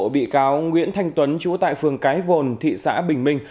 bị cáo nguyễn thành tuấn trú tại phường cái vồn thị xã bình minh